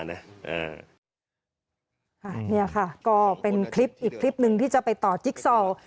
นี่ค่ะก็เป็นคลิปอีกคลิปหนึ่งที่จะไปต่อจิ๊กซอล